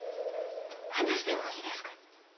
話してもいいですか？